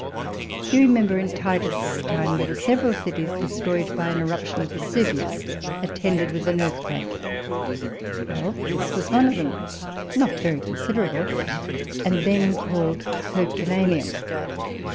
You remember in Titus's time there were several cities destroyed by an eruption of Vesu vius, attended with an earthquake. Well, this was one of them, not very considerable, and then called Herculaneum.